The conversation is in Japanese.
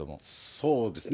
そうですね。